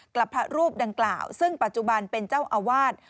กับพระรูปดังกล่าวซึ่งปัจจุบันเป็นเจ้าอาวาส